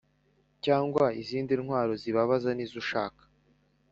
cyangwa izindi ntwaro zibabaza nizo ushaka